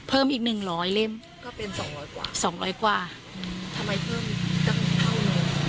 เพิ่มอีกหนึ่งหลอยเล่มก็เป็นสองร้อยกว่าสองร้อยกว่าอืมทำไมเพิ่ม